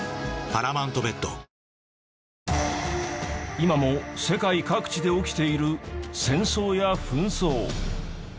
今も世界各地で起きている戦争や紛争。